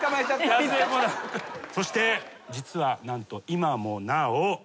そして実は何と今もなお。